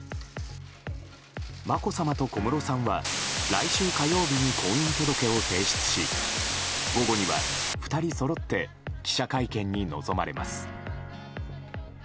まこさまと小室さんは来週火曜日に婚姻届を提出し午後には２人そろって記者会見に臨まれます。